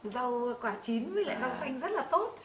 rau quả chín với lại rau xanh rất là tốt